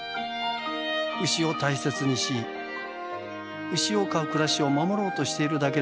牛を大切にし牛を飼う暮らしを守ろうとしているだけです。